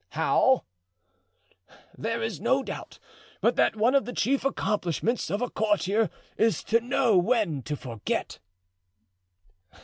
"How?" "There is no doubt but that one of the chief accomplishments of a courtier is to know when to forget."